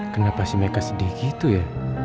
kenapa si meika sedih gitu ya